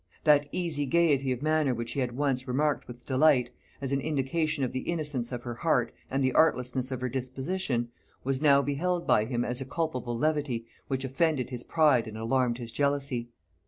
That easy gaiety of manner which he had once remarked with delight, as an indication of the innocence of her heart and the artlessness of her disposition, was now beheld by him as a culpable levity which offended his pride and alarmed his jealousy.